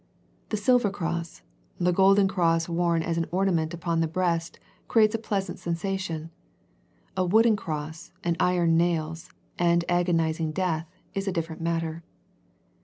The silver cross, the golden Cross worn as an ornament upon the breast creates a pleasant sensation. A wooden cross and iron nails and agonizing death is a different matter.